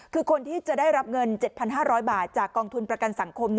คือคนที่จะได้รับเงิน๗๕๐๐บาทจากกองทุนประกันสังคม